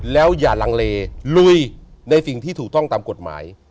แล้วอย่าลังเลลุยในสิ่งที่ถูกต้องตามกฎหมาย